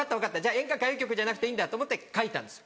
演歌歌謡曲じゃなくていいんだ。と思って書いたんですよ